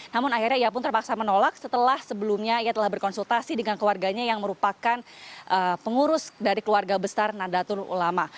namun akhirnya ia pun terpaksa menolak setelah sebelumnya ia telah berkonsultasi dengan keluarganya yang merupakan pengurus dari keluarga besar nadatul ulama